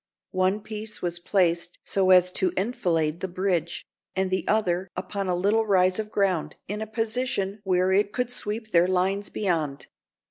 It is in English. One piece was placed so as to enfilade the bridge, and the other upon a little rise of ground, in a position where it could sweep their lines beyond.